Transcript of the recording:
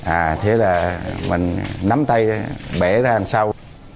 à thế là mình nắm tay bẻ ra làm sao